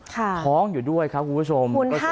ท้องอยู่ด้วยครับคุณผู้ชม